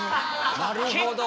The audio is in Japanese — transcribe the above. なるほど。